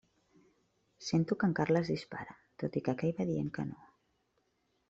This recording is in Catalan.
Sento que en Carles dispara, tot i que aquell va dient que no.